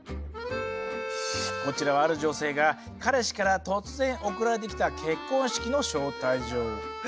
こちらはある女性が彼氏から突然送られてきたうそ！？